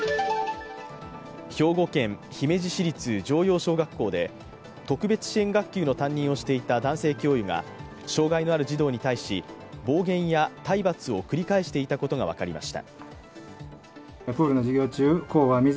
兵庫県姫路市立城陽小学校で特別支援学級の担任をしていた男性教諭が障害のある児童に対し、暴言や体罰を繰り返していたことが分かりました。